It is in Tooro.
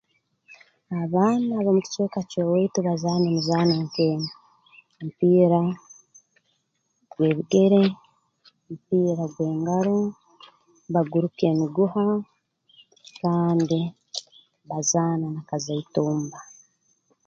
Abaana ab'omu kicweka ky'owaitu bazaana emizaano nk'enu omupiira gw'ebigere omupiira gw'engaro baguruka emiguha kandi bazaana n'akazaitumba